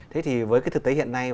thế thì với cái thực tế hiện nay